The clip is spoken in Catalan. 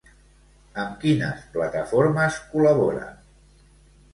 Amb quines plataformes col·labora?